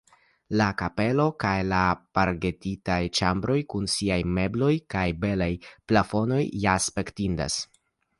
La kapelo kaj la pargetitaj ĉambroj kun siaj mebloj kaj belaj plafonoj ja spektindas.